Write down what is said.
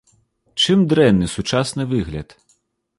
Чым дрэнны сучасны выгляд?